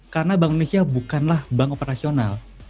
karena bank indonesia bukanlah bank operasional